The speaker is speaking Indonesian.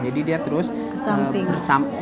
jadi dia terus menyamping